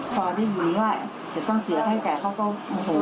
พอได้ยินว่าจะต้องเสียให้แต่เขาก็โมโห